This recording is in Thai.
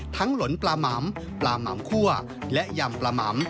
ทั้งหลนปลามำปลามำคั่วและยำปลามำ